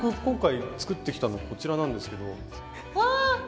今回作ってきたのこちらなんですけど。